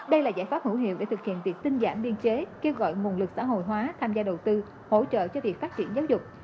đây là giải pháp hữu hiệu để thực hiện việc tinh giảm biên chế kêu gọi nguồn lực xã hội hóa tham gia đầu tư hỗ trợ cho việc phát triển giáo dục